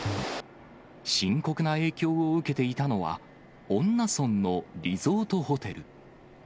深刻な影響を受けていたのは、恩納村のリゾートホテル。